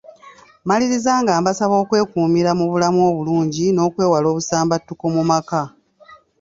Mmaliriza nga mbasaba okwekuumira mu bulamu obulungi n'okwewala obusambattuko mu maka.